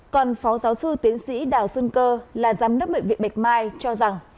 còn phó giáo sư tiến sĩ đào xuân cơ là giám đốc bệnh viện bạch mai cho rằng